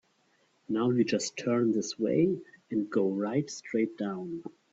Now you just turn this way and go right straight down.